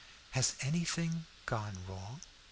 "Has anything gone wrong?"